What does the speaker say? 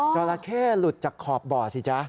จราเข้หลุดจากขอบบ่อสิจ๊ะ